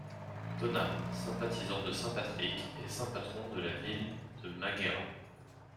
Donard, sympathisant de Saint Patrick et saint patron de la ville de Maghera.